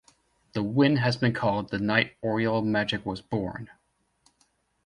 The win has been called the night Oriole Magic was born.